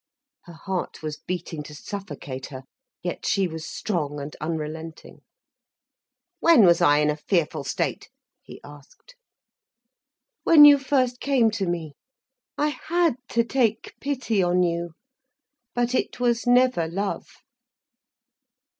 Her heart was beating to suffocate her, yet she was strong and unrelenting. "When was I in a fearful state?" he asked. "When you first came to me. I had to take pity on you. But it was never love."